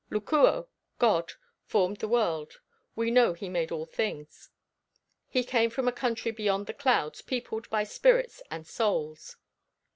Lucuo (God) formed the world, we know he made all things; he came from a country beyond the clouds peopled by spirits and souls.